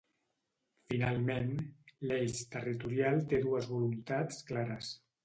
Finalment, l’eix territorial té dues voluntats clares.